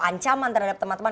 ancaman terhadap teman teman